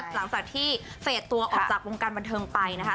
หลังจากที่เฟสตัวออกจากวงการบันเทิงไปนะคะ